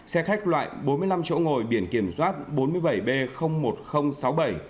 xe khách loại bốn mươi năm chỗ ngồi biển kiểm soát bốn mươi bảy b một nghìn sáu mươi bảy